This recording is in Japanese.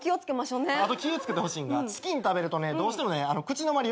気を付けてほしいんがチキン食べるとねどうしてもね口の周り